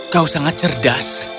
kau sangat cerdas